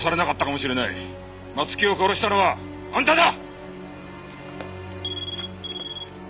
松木を殺したのはあんただ！